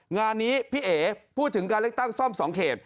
งานนี้พี่เอ๋พูดถึงการเลือกตั้งซ่อม๒เขต